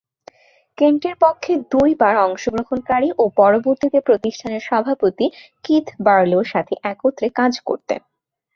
কেন্টের পক্ষে দুইবার অংশগ্রহণকারী ও পরবর্তীতে প্রতিষ্ঠানের সভাপতি কিথ বার্লো’র সাথে একত্রে কাজ করতেন।